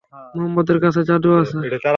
মুহাম্মাদের কাছে জাদু আছে।